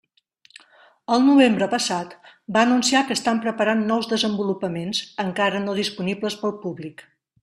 El novembre passat va anunciar que estan preparant nous desenvolupaments, encara no disponibles pel públic.